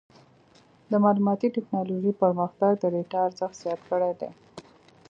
د معلوماتي ټکنالوجۍ پرمختګ د ډیټا ارزښت زیات کړی دی.